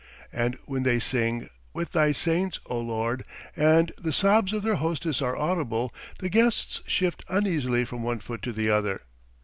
And when they sing "With Thy Saints, O Lord," and the sobs of their hostess are audible, the guests shift uneasily from one foot to the other.